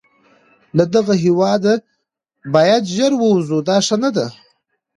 له دغه هیواده باید ژر ووزو، دا ښه نه ده.